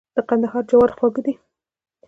د کندهار جوار خوږ دي.